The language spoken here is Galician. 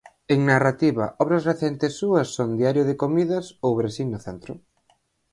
En narrativa obras recentes súas son Diario de comidas ou Brasil no centro.